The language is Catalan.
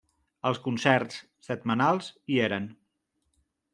Els concerts setmanals hi eren.